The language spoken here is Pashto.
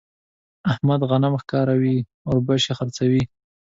احمد غنم ښکاروي ـ اوربشې خرڅوي.